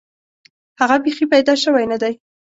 هغه بیخي پیدا شوی نه دی.